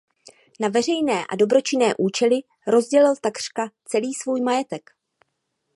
Na veřejné a dobročinné účely rozdělil takřka celý svůj majetek.